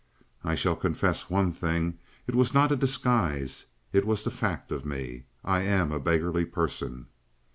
"I shall confess one thing. It was not a disguise. It was the fact of me; I am a beggarly person."